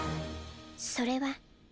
それは。